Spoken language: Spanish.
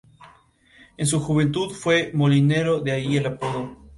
En su juventud fue molinero, de ahí el apodo.